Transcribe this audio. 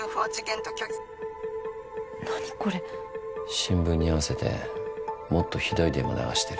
新聞に合わせてもっとひどいデマ流してる。